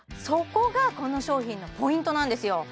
そこがこの商品のポイントなんですよ